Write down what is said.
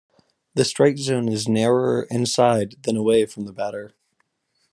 The strike zone is narrower "inside" than away from the batter.